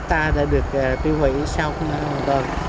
và đã được tiêu hủy sau một tuần